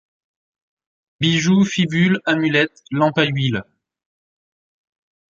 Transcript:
Bijoux, fibules, amulettes, lampes à huile.